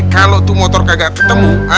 kalau itu motor kagak ketemu